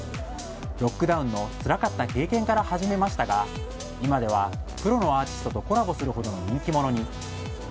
ロックダウンのつらかった経験から始めましたが今ではプロのアーティストとコラボするほどの人気者に。